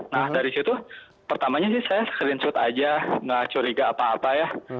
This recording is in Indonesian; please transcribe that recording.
nah dari situ pertamanya sih saya screenshot aja gak curiga apa apa ya